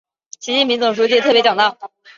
习近平总书记特别讲到